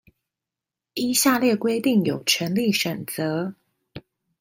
依下列規定有權利選擇